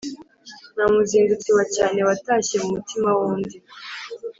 Nta muzindutsi wa cyane watashye mu mutima w’undi.